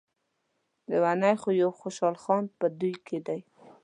لیونی خو يو خوشحال خان په دوی کې دی.